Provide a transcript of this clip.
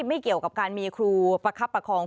ไม่เกี่ยวกับการมีครูประคับประคอง